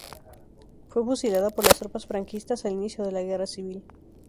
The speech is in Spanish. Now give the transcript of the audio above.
Fue fusilada por las tropas franquistas al inicio de la Guerra Civil.